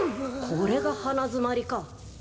これが花づまりか！